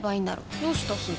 どうしたすず？